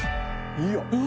いや！